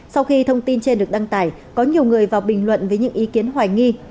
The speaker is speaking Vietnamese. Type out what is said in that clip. sau khi thông tin trên được đăng tải có nhiều người vào bình luận với những ý kiến hoài nghi